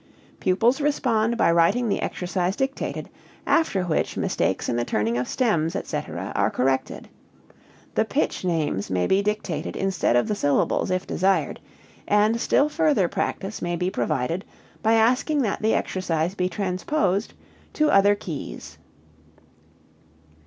Pupils respond by writing the exercise dictated, after which mistakes in the turning of stems, etc., are corrected. The pitch names may be dictated instead of the syllables if desired, and still further practice may be provided by asking that the exercise be transposed to other keys.